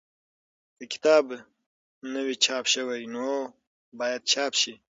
که کتاب نه وي چاپ شوی نو باید چاپ شي.